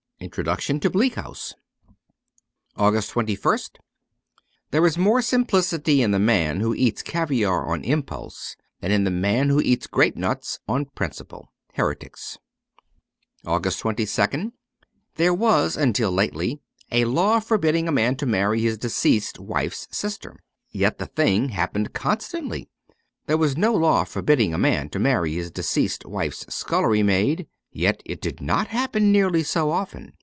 Introduction to * Bleak House.* 258 AUGUST 2 1 St THERE is more simplicity in the man who eats caviar on impulse than in the man who eats grape nuts on principle. ' Heretics 259 s 2 AUGUST 22nd THERE was until lately a law forbidding a man to marry his deceased wife's sister ; yet the thing happened constantly. There was no law forbidding a man to marry his deceased wife's scullery maid ; yet it did not happen nearly so often.